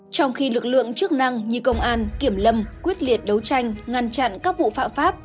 trong khi lực lượng chức năng như công an kiểm lâm quyết liệt đấu tranh ngăn chặn các vụ phạm pháp